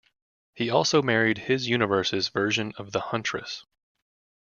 He also married his universe's version of the Huntress.